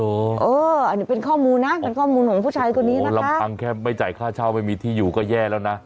อันนี้เป็นข้อมูลนะเป็นข้อมูลของผู้ชายคนนี้นะลำพังแค่ไม่จ่ายค่าเช่าไม่มีที่อยู่ก็แย่แล้วนะ